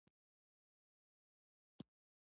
افغانستان د بدخشان کوربه دی.